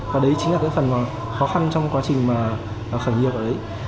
và đấy chính là phần khó khăn trong quá trình khởi nghiệp ở đấy